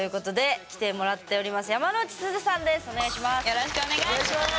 よろしくお願いします！